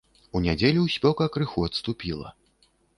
У нядзелю спёка крыху адступіла.